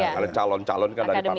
kalian calon calon kan dari partai partai